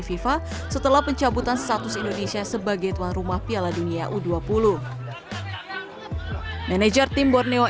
fifa setelah pencabutan status indonesia sebagai tuan rumah piala dunia u dua puluh manajer tim borneo